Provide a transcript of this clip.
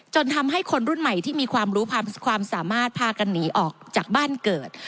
จนทำให้คนรุ่นใหม่ที่มีความรู้ความสามารถพากันหนีออกจากบ้านเกิด